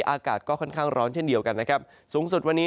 อากาศค่อนข้างร้อนเช่นเดียวกัน